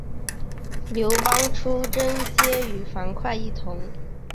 刘邦出征皆与樊哙一同。